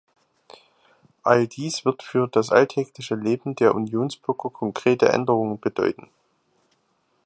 All dies wird für das alltägliche Leben der Unionsbürger konkrete Änderungen bedeuten.